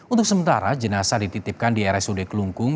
untuk sementara jenazah dititipkan di rsud kelungkung